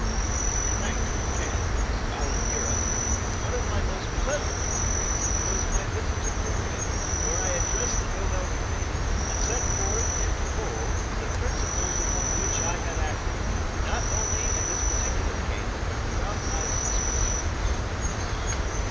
In 1910, while in Europe, one of my most pleasant experiences was my visit to Norway, where I addressed the Nobel Committee, and set forth in full the principles upon which I had acted, not only in this particular case but throughout my administration.